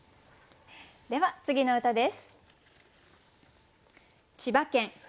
では次の歌です。